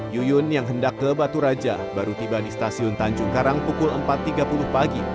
yuyun yang hendak ke batu raja baru tiba di stasiun tanjung karang pukul empat tiga puluh pagi